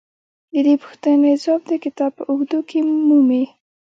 د دې پوښتنې ځواب د کتاب په اوږدو کې مومئ.